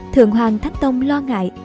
thượng hoàng thách tông lo ngại